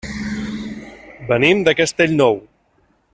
Venim de Castellnou.